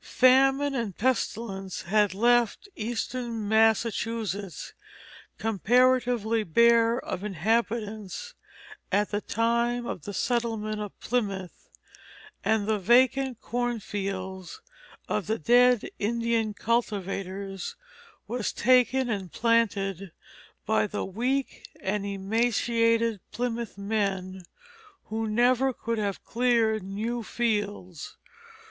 Famine and pestilence had left eastern Massachusetts comparatively bare of inhabitants at the time of the settlement of Plymouth; and the vacant cornfields of the dead Indian cultivators were taken and planted by the weak and emaciated Plymouth men, who never could have cleared new fields.